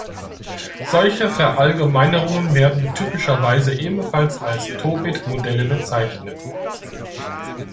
Solche Verallgemeinerungen werden typischerweise ebenfalls als Tobit-Modelle bezeichnet.